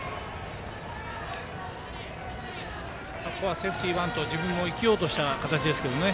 セーフティーバントで自分も生きようとした形ですね。